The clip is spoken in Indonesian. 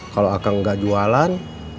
kalau akang gak jualan